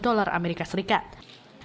dan uang pecahannya di dalam penjara